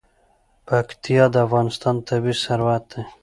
پکتیا د افغانستان طبعي ثروت دی.